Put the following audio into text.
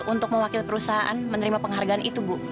untuk mewakil perusahaan menerima penghargaan itu bu